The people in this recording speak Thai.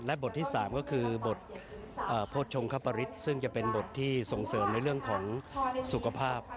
และบทที่๓ก็คือบทโภชงคปริศซึ่งจะเป็นบทที่ส่งเสริมในเรื่องของสุขภาพ